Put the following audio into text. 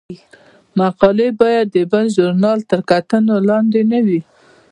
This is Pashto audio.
مقالې باید د بل ژورنال تر کتنې لاندې نه وي.